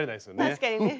確かにね。